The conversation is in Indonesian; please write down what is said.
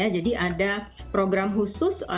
jadi ada program khusus